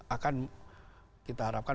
akan kita harapkan